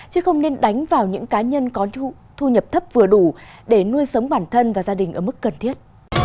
chứ không nên đánh vào những cá nhân có thu nhập thấp vừa đủ để nuôi sống bản thân và gia đình ở mức cần thiết